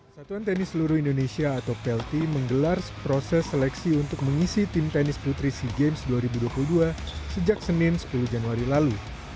satuan tenis seluruh indonesia atau plt menggelar proses seleksi untuk mengisi tim tenis putri sea games dua ribu dua puluh dua sejak senin sepuluh januari lalu